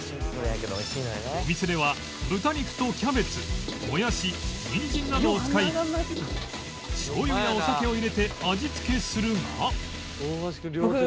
お店では豚肉とキャベツもやしニンジンなどを使いしょうゆやお酒を入れて味付けするが